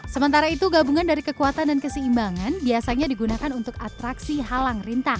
sementara itu gabungan dari kekuatan dan keseimbangan biasanya digunakan untuk atraksi halang rintang